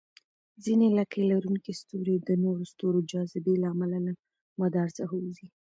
ځینې لکۍ لرونکي ستوري د نورو ستورو جاذبې له امله له مدار څخه ووځي.